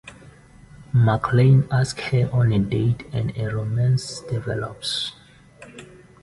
McLain asks her on a date and a romance develops.